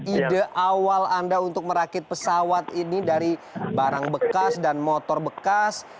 ide awal anda untuk merakit pesawat ini dari barang bekas dan motor bekas